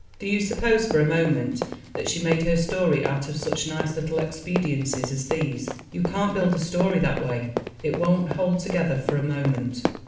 Do you suppose for a moment that she made her story out of such nice little expediencies as these? You can't build a story that way. It won't hold together for a moment.